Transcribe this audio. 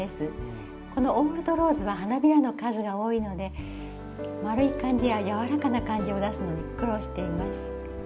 このオールドローズは花びらの数が多いので丸い感じや柔らかな感じを出すのに苦労しています。